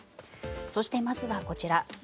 そして、まずはこちら。